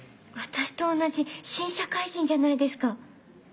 私と同じ新社会人じゃないですか。